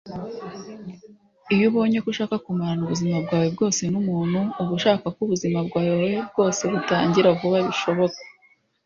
iyo ubonye ko ushaka kumarana ubuzima bwawe bwose numuntu, uba ushaka ko ubuzima bwawe bwose butangira vuba bishoboka.